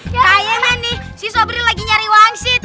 pengen nih si sobri lagi nyari wangsit